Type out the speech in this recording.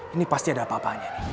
ini pasti ada apa apanya